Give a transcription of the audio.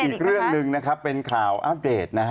อีกเรื่องหนึ่งเป็นข่าวอัลเตรส